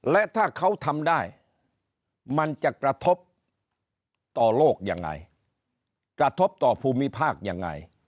และถ้าเขาทำได้มันจะกระทบต่อโลกยังไงกระทบต่อภูมิภาคยังไง